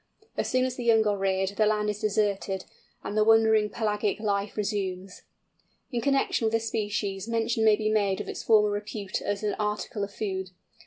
As soon as the young are reared the land is deserted, and the wandering pelagic life resumed. In connection with this species mention may be made of its former repute as an article of food.